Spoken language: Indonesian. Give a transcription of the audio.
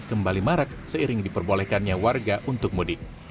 kembali marak seiring diperbolehkannya warga untuk mudik